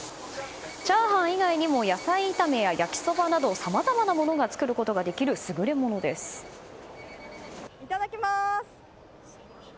チャーハン以外にも野菜炒めや焼きそばなどさまざまなものを作ることができるいただきます。